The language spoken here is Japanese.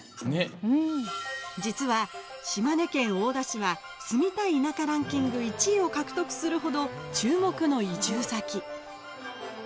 実は、島根県大田市は住みたい田舎ランキング１位を獲得するほど注目の移住先。